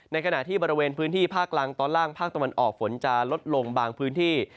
ขณะที่บริเวณพื้นที่ภาคกลางตอนล่างภาคตะวันออกฝนจะลดลงบางพื้นที่